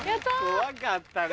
怖かったね。